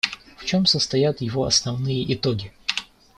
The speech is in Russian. В чем состоят его основные итоги?